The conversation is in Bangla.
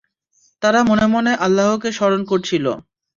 তারা মনে মনে আল্লাহকে স্মরণ করছিল।